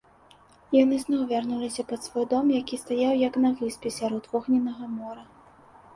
Яны зноў вярнуліся пад свой дом, які стаяў як на выспе сярод вогненнага мора.